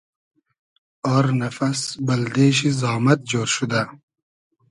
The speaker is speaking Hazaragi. آر نئفئس بئلدې شی زامئد جۉر شودۂ